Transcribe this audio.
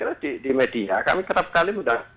saya kira di media kami tetap kali mudahkan